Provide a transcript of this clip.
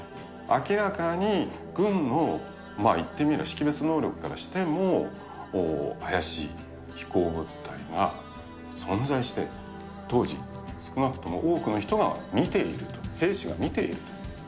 明らかに軍の、いってみれば識別能力からしても、怪しい飛行物体が存在して、当時、少なくとも多くの人が見ていると、兵士が見ていると。